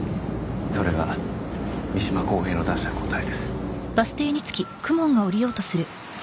それが三島公平の出した答えです